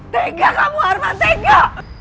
tega kamu harman tega